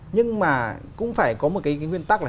nhưng mà cũng phải có một cái nguyên tắc là